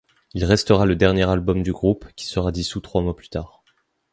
Il restera le dernier album du groupe, qui sera dissous trois mois plus tard.